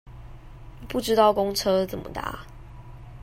不知道公車怎麼搭